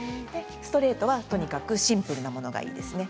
ストレートは、とにかくシンプルなものがいいですね。